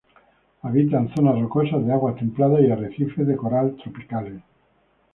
Habitan zonas rocosas de aguas templadas y arrecifes de coral tropicales.